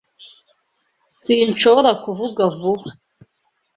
S Sinshobora kuvuga vuba)